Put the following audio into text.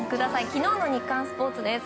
昨日の日刊スポーツです。